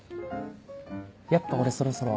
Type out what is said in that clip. やっぱ俺そろそろ。